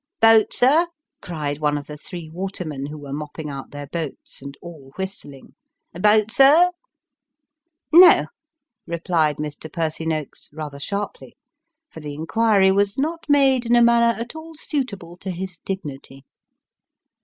" Boat, sir ?" cried one of the three watermen who were mopping out their boats, and all whistling. " Boat, sir ?"" No," replied Mr. Percy Noakes, rather sharply ; for the inquiry was not made in a manner at all suitable to his dignity.